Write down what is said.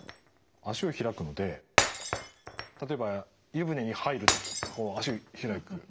脚を開くので例えば湯船に入る時脚開く。